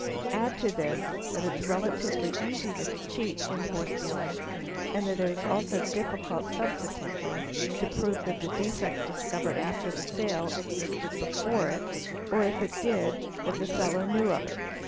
Add to — this that itis relatively easy to cheat in horse dealing and that it is also difficult subsequently to prove that a defect discovered after a sale existed before it or, if it did, that the seller knew of it.